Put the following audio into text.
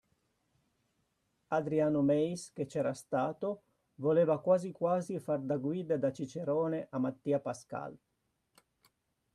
Adriano Meis, che c'era stato, voleva quasi quasi far da guida e da cicerone a Mattia Pascal.